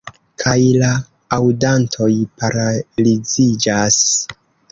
Kaj la aŭdantoj paraliziĝas.